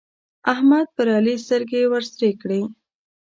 احمد پر علي سترګې ورسرې کړې.